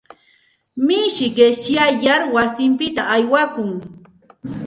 Mishi qishyayar wasinpita aywakun.